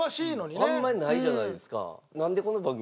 あんまりないじゃないですか。